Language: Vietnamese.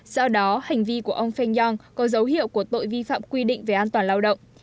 do đó hành vi của ông feng yong có dấu hiệu của tội vi phạm quy định về an toàn lao động